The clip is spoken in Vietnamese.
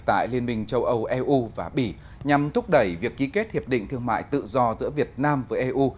tại liên minh châu âu eu và bỉ nhằm thúc đẩy việc ký kết hiệp định thương mại tự do giữa việt nam với eu